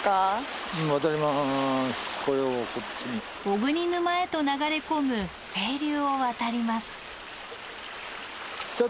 雄国沼へと流れ込む清流を渡ります。